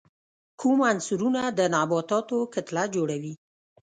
کوم عنصرونه د نباتاتو کتله جوړي؟